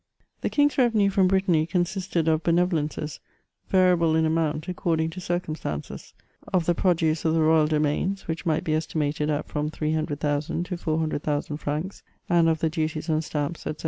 The king^s revenue from Brittany consisted of benevolences, variable in amount according to circumstances ; of the produce of the royal domains, which might be estimated at from 300,000 to 400,000 francs, and of the duties on stamps, &c.